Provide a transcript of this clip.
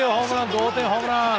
同点ホームラン！